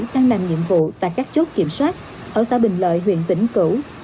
đang làm nhiệm vụ tại các chốt kiểm soát ở xã bình lợi huyện vĩnh cửu